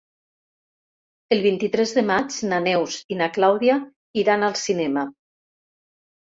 El vint-i-tres de maig na Neus i na Clàudia iran al cinema.